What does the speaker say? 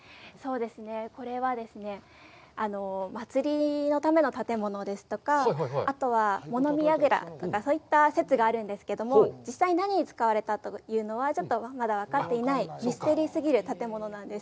これはですね、祭りのための建物ですとか、あとは物見やぐらとかそういった説があるんですけれども、実際に何に使われたというのは分かっていない、ミステリー過ぎる建物なんです。